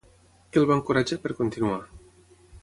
Què el va encoratjar per continuar?